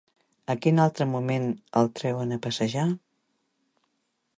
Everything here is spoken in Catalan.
A quin altre moment el treuen a passejar?